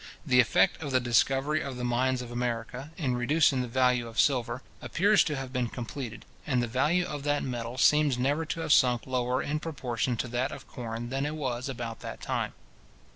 —Between 1630 and 1640, or about 1636, the effect of the discovery of the mines of America, in reducing the value of silver, appears to have been completed, and the value of that metal seems never to have sunk lower in proportion to that of corn than it was about that time.